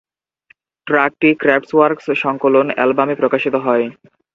ট্র্যাকটি "ক্র্যাফটওয়ার্কস" সংকলন অ্যালবামে প্রকাশিত হয়।